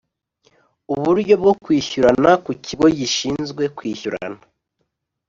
uburyo bwo kwishyurana ku kigo gishinzwe kwishyurana